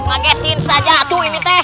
paketin saja atuh ini teh